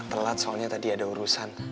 telat soalnya tadi ada urusan